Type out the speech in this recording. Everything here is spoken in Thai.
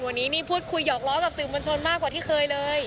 วันนี้นี่พูดคุยหยอกล้อกับสื่อมวลชนมากกว่าที่เคยเลย